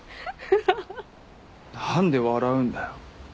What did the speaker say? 何で笑うんだよ。